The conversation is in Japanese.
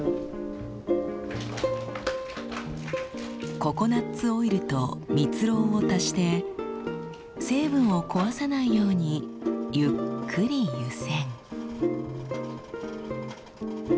ココナツオイルと蜜ろうを足して成分を壊さないようにゆっくり湯煎。